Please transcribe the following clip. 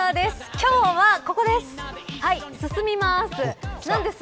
今日はここです。